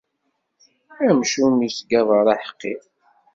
Amcum ittgabar aḥeqqi.